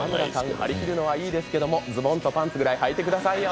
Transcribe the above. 張り切るのはいいですけどもズボンとパンツぐらいはいてくださいよ。